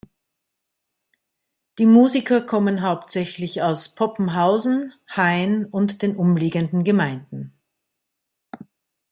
Die Musiker kommen hauptsächlich aus Poppenhausen, Hain und den umliegenden Gemeinden.